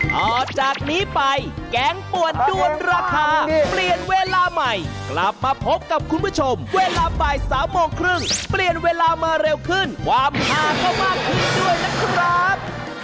ต่อจากนี้ไปแกงป่วนด้วนราคาเปลี่ยนเวลาใหม่กลับมาพบกับคุณผู้ชมเวลาบ่าย๓โมงครึ่งเปลี่ยนเวลามาเร็วขึ้นความหาก็มากขึ้นด้วยนะครับ